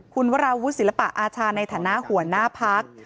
คุณวราวุฒิศิลปะอาชาในฐานะหัวหน้าพัก